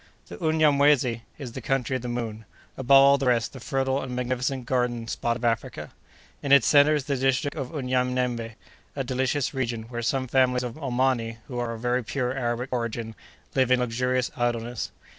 The Unyamwezy is the country of the Moon—above all the rest, the fertile and magnificent garden spot of Africa. In its centre is the district of Unyanembe—a delicious region, where some families of Omani, who are of very pure Arabic origin, live in luxurious idleness.